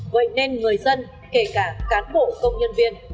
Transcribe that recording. vậy nên người dân kể cả cán bộ công nhân viên